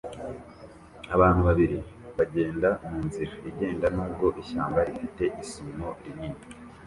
Abantu babiri bagenda munzira igenda nubwo ishyamba rifite isumo rinini